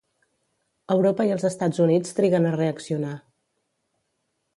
Europa i els Estats Units triguen a reaccionar.